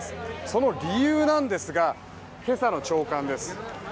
その理由なんですが今朝の朝刊です。